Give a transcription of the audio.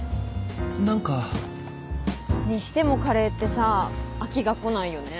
何かにしてもカレーってさぁ飽きがこないよね。